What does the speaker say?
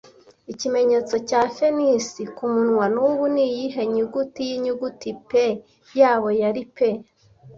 Ikimenyetso cya Fenisiya kumunwa nubu niyihe nyuguti yinyuguti P yabo yari Pe